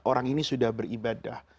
orang ini sudah beribadah